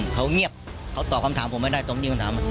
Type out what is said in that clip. เขาเงียบเขาตอบคำถามผมไม่ได้ตรงยื่นคำถาม